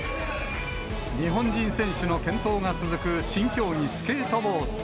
日本人選手の健闘が続く新競技、スケートボード。